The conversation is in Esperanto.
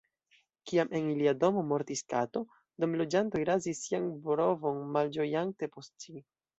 Kiam en ilia domo mortis kato, domloĝantoj razis sian brovon malĝojante post ĝi.